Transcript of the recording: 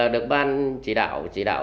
được ban chỉ đạo